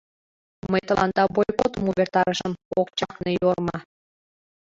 — Мый тыланда бойкотым увертарышым! — ок чакне Йорма.